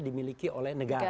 dimiliki oleh negara